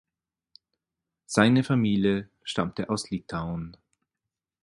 Seine Familie stammte aus Litauen.